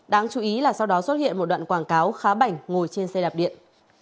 đáng chú ý là sau đó xuất hiện một đoạn quảng cáo khá bảnh ngồi trên xe đạp điện